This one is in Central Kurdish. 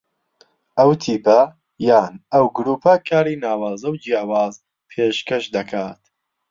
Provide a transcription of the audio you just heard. ئەو تیپە یان ئەو گرووپە کاری ناوازە و جیاواز پێشکەش دەکات